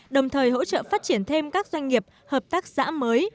đồng thời hỗ trợ phát triển thêm các doanh nghiệp hợp tác xã mới